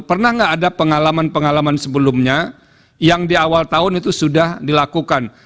pernah nggak ada pengalaman pengalaman sebelumnya yang di awal tahun itu sudah dilakukan